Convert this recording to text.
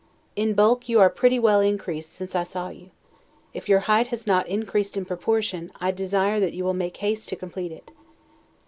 In bulk you are pretty well increased since I saw you; if your height has not increased in proportion, I desire that you will make haste to, complete it.